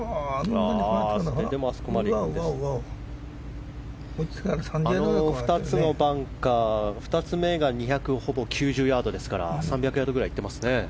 あの２つのバンカー、２つ目がほぼ２９０ヤードですから３００ヤードくらいいっていますね。